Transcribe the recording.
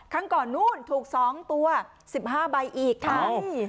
ครั้งก่อนนู้นถูกสองตัว๑๕ใบอีกครั้ง